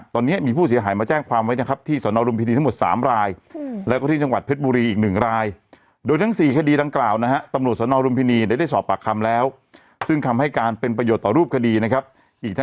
ทุกรวมพยาหลักฐานได้